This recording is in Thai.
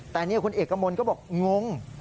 แต่นี่คุณเอกมลก็บอกงง